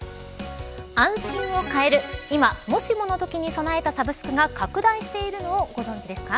安心を買える今、もしものときに備えたサブスクが拡大しているのをご存じですか。